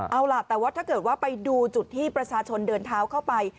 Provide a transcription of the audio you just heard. เอาล่ะแต่ว่าถ้าเกิดว่าไปดูจุดที่ประชาชนเดินเท้าเข้าไป